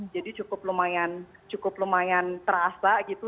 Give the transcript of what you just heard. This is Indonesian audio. jadi cukup lumayan terasa gitu